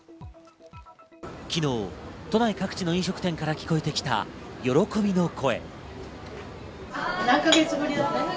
昨日、都内各地の飲食店から聞こえてきた喜びの声。